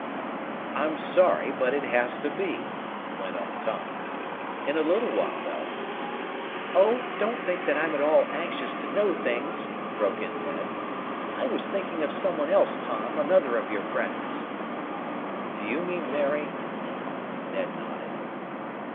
"I'm sorry, but it has to be," went on Tom. "In a little while " "Oh, don't think that I'm at all anxious to know things!" broke in Ned. "I was thinking of some one else, Tom another of your friends." "Do you mean Mary?" Ned nodded.